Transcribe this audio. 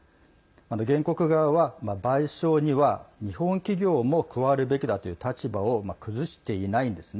原告側は、賠償には日本企業も加わるべきだという立場を崩していないんですね。